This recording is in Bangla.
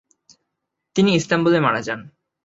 তিনি ইস্তাম্বুলে মারা যান।